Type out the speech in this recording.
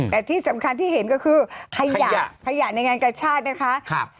แต่ที่สำคัญที่เห็นก็คือขยะขยะในงานกระชากนะคะ